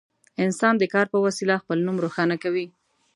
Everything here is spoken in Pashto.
انسان د کار په وسیله خپل نوم روښانه کوي.